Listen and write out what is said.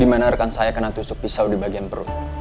dimana rekan saya kena tusuk pisau di bagian perut